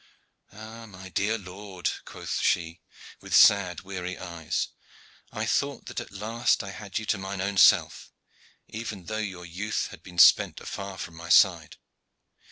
"Ah, my dear lord," quoth she, with sad, weary eyes. "I thought that at last I had you to mine own self, even though your youth had been spent afar from my side.